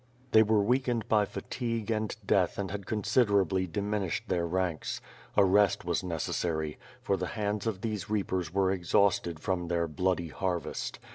They were weakened by fatigue and death had considerably diminished their ranks. A rest was neces sary, for the hands of these reapers were exhausted from their bloody harvest.